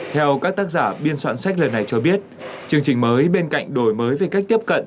theo các tác giả biên soạn sách lần này cho biết chương trình mới bên cạnh đổi mới về cách tiếp cận